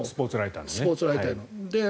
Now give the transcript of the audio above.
スポーツライターのね。